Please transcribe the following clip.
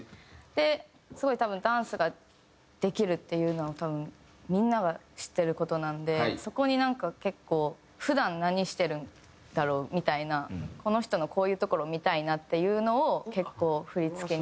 すごいダンスができるっていうのを多分みんなが知ってる事なんでそこになんか結構普段何してるんだろう？みたいなこの人のこういうところを見たいなっていうのを結構振付に詰めて。